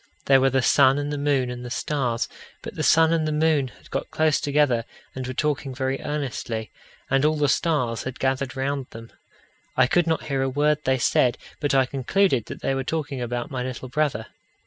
There were the sun and the moon and the stars. But the sun and the moon had got close together and were talking very earnestly, and all the stars had gathered round them. I could not hear a word they said, but I concluded that they were talking about my little brother.